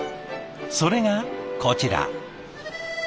それがこちら。